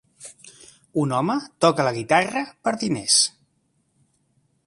Un home toca la guitarra per diners.